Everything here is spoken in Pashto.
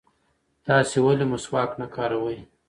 تاسې ولې مسواک نه کاروئ؟